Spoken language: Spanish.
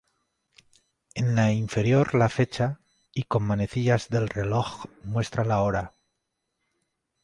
En la inferior la fecha y con manecillas del reloj muestra la hora.